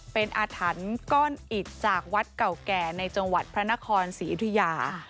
เป็นอาถรรพ์ก้อนอิดจากวัดเก่าแก่ในจังหวัดพระนครศรีอยุธยา